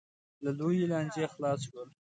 له لویې لانجې خلاص شول.